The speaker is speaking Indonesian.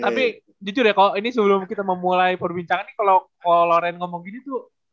tapi jujur ya ko ini sebelum kita memulai perbincangan nih kalo loren ngomong gini tuh